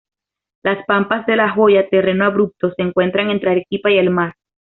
Las pampas de La Joya, terreno abrupto, se encuentra entre Arequipa y el mar.